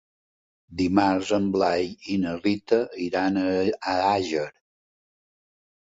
Dimarts en Blai i na Rita iran a Àger.